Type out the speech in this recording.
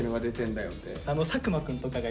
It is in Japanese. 佐久間くんとかが。